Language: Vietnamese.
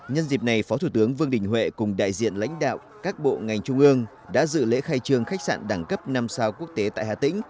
nhân dịp này phó thủ tướng vương đình huệ cùng đại diện lãnh đạo các bộ ngành trung ương đã dự lễ khai trường khách sạn đẳng cấp năm sao quốc tế tại hà tĩnh